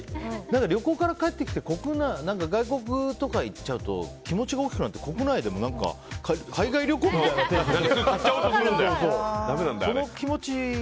旅行から帰ってきて外国とか行っちゃうと気持ちが大きくなって国内でも海外旅行みたいに買っちゃおうとするんだよ。